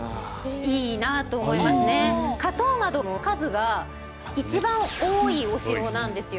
花頭窓の数が一番多いお城なんですよ